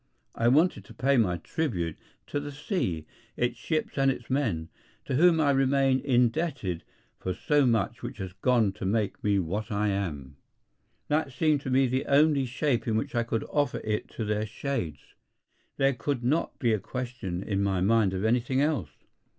I wanted to pay my tribute to the sea, its ships and its men, to whom I remain indebted for so much which has gone to make me what I am. That seemed to me the only shape in which I could offer it to their shades. There could not be a question in my mind of anything else.